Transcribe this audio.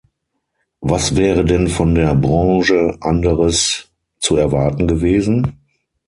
Was wäre denn von der Branche anderes zu erwarten gewesen?